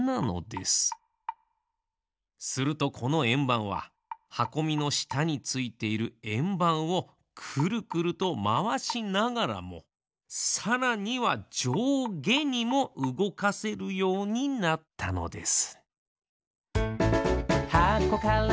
するとこのえんばんははこみのしたについているえんばんをクルクルとまわしながらもさらにはじょうげにもうごかせるようになったのです。